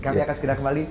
kami akan segera kembali